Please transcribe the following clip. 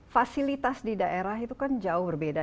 fasilitas di daerah itu kan jauh berbeda